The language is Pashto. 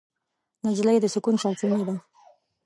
نجلۍ د سکون سرچینه ده.